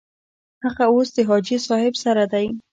هغه اوس د حاجي صاحب سره دی.